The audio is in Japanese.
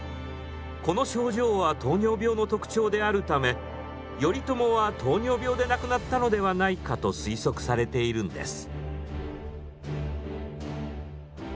この症状は糖尿病の特徴であるため頼朝は糖尿病で亡くなったのではないかと推測されているんです。